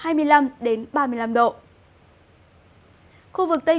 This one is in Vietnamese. khu vực tây nguyên trong ba ngày tới thời tiết vẫn chưa biến đổi quá nhiều